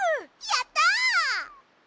やった！